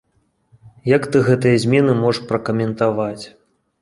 Як ты гэтыя змены можаш пракаментаваць?